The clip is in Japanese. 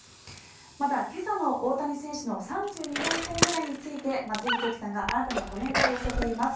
また、今朝の大谷選手の３２号ホームランについて松井秀喜さんが新たなコメントを寄せています。